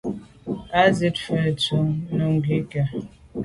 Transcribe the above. Á jíìt sə́ vhə̀ə́ thúvʉ́ dlíj Nùŋgɛ̀ kɛ́ɛ̀ á.